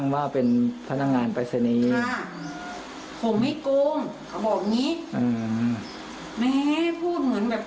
อย่างนี้พูดเหมือนแบบ